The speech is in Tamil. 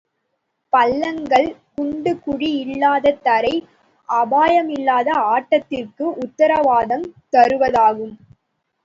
பள்ளங்கள், குண்டு குழிகள் இல்லாத தரை, அபாயமில்லாத ஆட்டத்திற்கு உத்திரவாதம் தருவதாகும்.